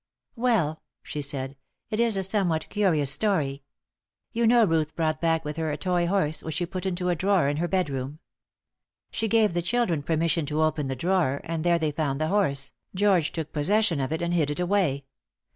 "Well," she said, "it is a somewhat curious story. You know Ruth brought back with her a toy horse which she put into a drawer in her bedroom. She gave the children permission to open the drawer, and there they found the horse, George took possession of it and hid it away.